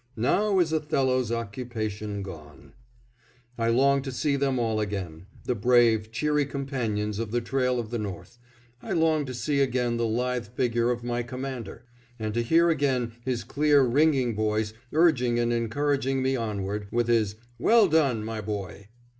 "Now is Othello's occupation gone." I long to see them all again! the brave, cheery companions of the trail of the North. I long to see again the lithe figure of my Commander! and to hear again his clear, ringing voice urging and encouraging me onward, with his "Well done, my boy."